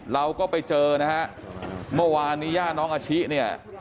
เราก็ไปเจอนะฮะเมื่อวานนี้ย่าน้องอาชิเนี่ย